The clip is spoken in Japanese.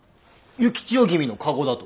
幸千代君の駕籠だと。